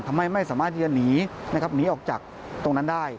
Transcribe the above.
ทำให้ไม่สามารถหนีออกจากตรงนั้นได้